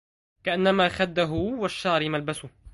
كأنما خده والشعر ملبسه